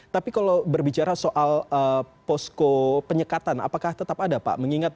tapi kalau berbicara soal posko penyekatan apakah tetap ada pak